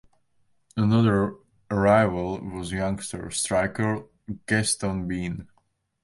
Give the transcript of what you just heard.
Another arrival was youngster striker Gastone Bean.